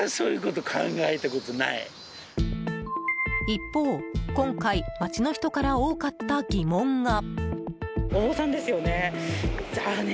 一方、今回街の人から多かった疑問が。